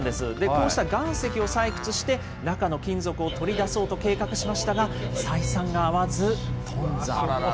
こうした岩石を採掘して中の金属を取り出そうと計画しましたが、採算が合わず、あらららら。